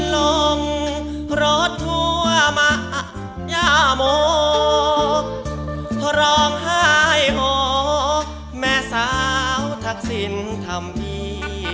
ลงรถทั่วมายาโมร้องไห้โหแม่สาวทักษิณธรรมดี